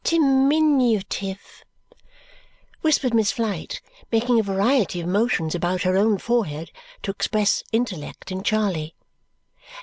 "Diminutive," whispered Miss Flite, making a variety of motions about her own forehead to express intellect in Charley.